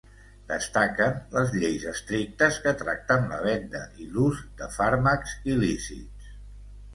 Destaquen les lleis estrictes que tracten la venda i l'ús de fàrmacs il·lícits.